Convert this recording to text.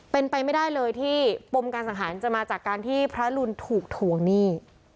เป็นไปไม่ได้เลยที่ปมการสังหารจะมาจากการที่พระรุนถูกถวงหนี้